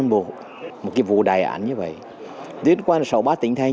vì vậy including the